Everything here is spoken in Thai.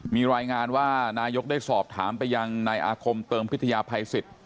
มีรายงานว่านายกได้สอบถามไปยังนายอาคมเติมพิทยาภัยสิทธิ์